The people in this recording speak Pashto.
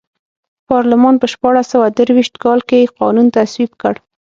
پارلمان په شپاړس سوه درویشت کال کې قانون تصویب کړ.